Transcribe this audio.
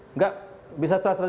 enggak bisa salah sedikit